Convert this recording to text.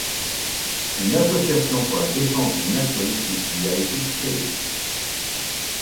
Une Association pour la Défense du Naturisme y a été créée.